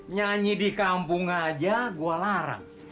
nyanyi di kampung aja gue larang